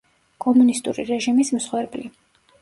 კომუნისტური რეჟიმის მსხვერპლი.